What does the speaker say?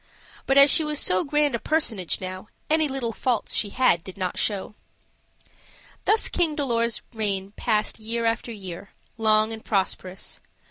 But as she was so grand a personage now, any little faults she had did not show. Thus King Dolor's reign passed year after year, long and prosperous.